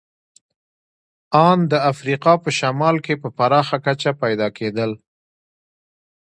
په ان د افریقا په شمال کې په پراخه کچه پیدا کېدل.